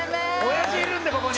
親父いるんでここに。